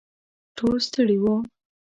ټول ستړي وو.